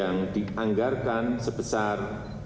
dan dianggarkan sebesar